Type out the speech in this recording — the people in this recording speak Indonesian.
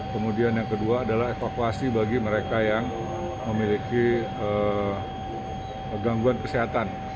kemudian yang kedua adalah evakuasi bagi mereka yang memiliki gangguan kesehatan